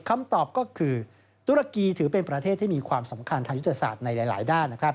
คำตอบก็คือตุรกีถือเป็นประเทศที่มีความสำคัญทางยุทธศาสตร์ในหลายด้าน